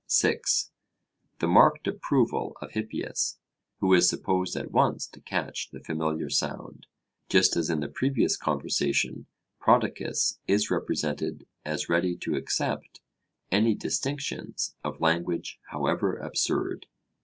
(6) the marked approval of Hippias, who is supposed at once to catch the familiar sound, just as in the previous conversation Prodicus is represented as ready to accept any distinctions of language however absurd.